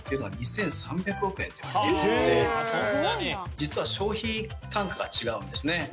実は消費感覚が違うんですね。